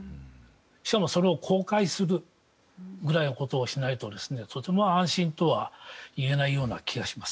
しかもそれを公開するくらいのことをしないととても安心とは言えないような気がします。